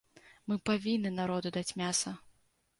Мы павінны народу даць мяса!